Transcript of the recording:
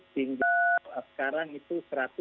tinggal sekarang itu